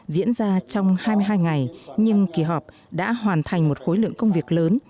diễn ra trong hai mươi hai ngày nhưng kỳ họp đã hoàn thành một khối lượng công việc lớn